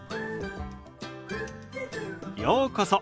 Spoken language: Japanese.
ようこそ。